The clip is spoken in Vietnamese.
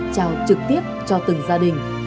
chào trực tiếp cho từng gia đình